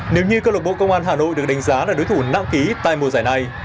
nếu như câu lạc bộ công an hà nội được đánh giá là đối thủ nạo ký tại mùa giải này